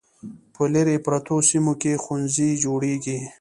په لیرې پرتو سیمو کې ښوونځي جوړیږي.